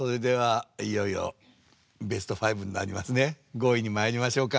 ５位にまいりましょうか。